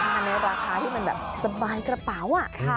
ในราคาที่มันแบบสบายกระเป๋า